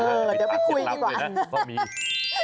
เออเดี๋ยวไปคุยดีกว่านะตัดสินล้างดีกว่านะ